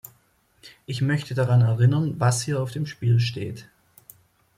Ich möchte daran erinnern, was hier auf dem Spiel steht.